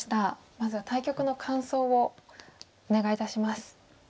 まずは対局の感想をお願いいたします。